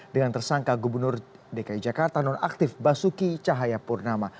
dengan tersangka gubernur dki jakarta nonaktif basuki cahayapurnama